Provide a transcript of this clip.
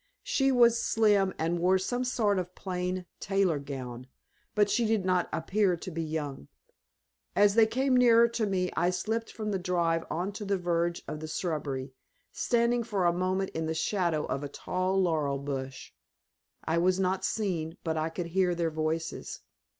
She was slim, and wore some sort of a plain tailor gown, but she did not appear to be young. As they came nearer to me, I slipped from the drive on to the verge of the shrubbery, standing for a moment in the shadow of a tall laurel bush. I was not seen, but I could hear their voices.